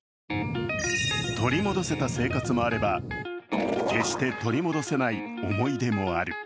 取り戻せた生活もあれば決して取り戻せない思い出もある。